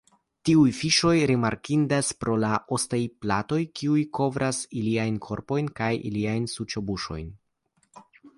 Tiuj fiŝoj rimarkindas pro la ostaj platoj kiuj kovras iliajn korpojn kaj iliajn suĉobuŝojn.